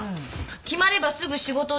「決まればすぐ仕事だ。